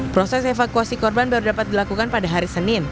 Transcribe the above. proses evakuasi korban baru dapat dilakukan pada hari senin